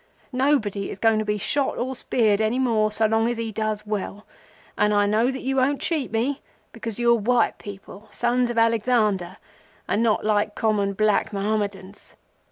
Nobody is going to be shot or speared any more so long as he does well, and I know that you won't cheat me because you're white people—sons of Alexander—and not like common, black Mohammedans.